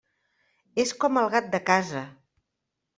És com el gat de casa.